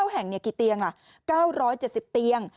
แห่งกี่เตียงล่ะ๙๗๐เตียง